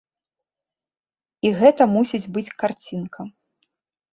І гэта мусіць быць карцінка.